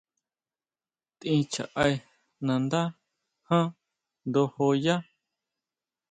Tʼín chjaʼé nandá jan ndojo yá.